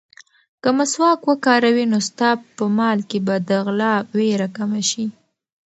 که مسواک وکاروې، نو ستا په مال کې به د غلا وېره کمه شي.